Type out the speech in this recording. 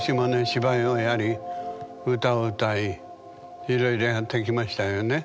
芝居をやり歌を歌いいろいろやってきましたよね。